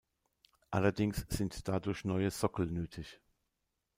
Allerdings sind dadurch neue Sockel nötig.